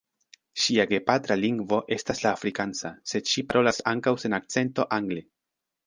Ŝia gepatra lingvo estas la afrikansa, sed ŝi parolas ankaŭ sen akcento angle.